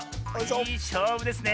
いいしょうぶですね。